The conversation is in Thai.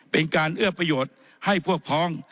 เป็นการเอื้อประโยชน์ให้พวกพ้อง